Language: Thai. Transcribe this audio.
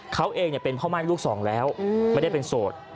เขาเองเป็นพ่อม่ายลูกสองแล้วไม่ได้เป็นโสด